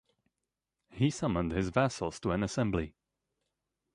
He summoned his vassals to an assembly.